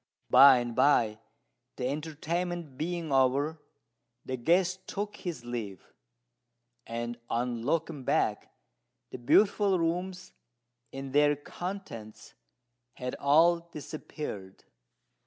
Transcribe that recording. By and by, the entertainment being over, the guest took his leave; and on looking back the beautiful rooms and their contents had all disappeared.